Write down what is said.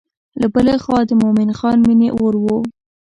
له بلې خوا د مومن خان مینې اور و.